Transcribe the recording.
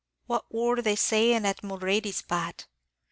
"What wor they saying at Mulready's, Pat?"